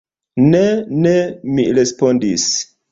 Ne, ne, mi respondis.